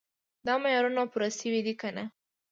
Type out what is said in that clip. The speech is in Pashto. دا معیارونه پوره شوي دي که نه.